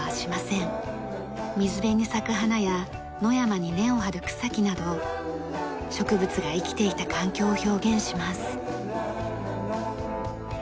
水辺に咲く花や野山に根を張る草木など植物が生きていた環境を表現します。